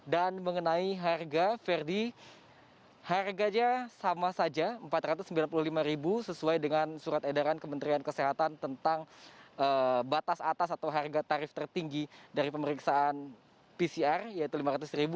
dan mengenai harga verdi harganya sama saja rp empat ratus sembilan puluh lima sesuai dengan surat edaran kementerian kesehatan tentang batas atas atau harga tarif tertinggi dari pemeriksaan pcr yaitu rp lima ratus